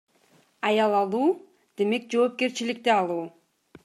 Аял алуу демек жоопкерчиликти алуу.